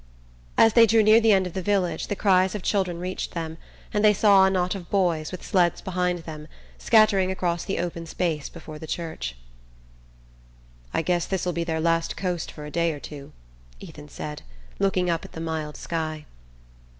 As they drew near the end of the village the cries of children reached them, and they saw a knot of boys, with sleds behind them, scattering across the open space before the church. "I guess this'll be their last coast for a day or two," Ethan said, looking up at the mild sky.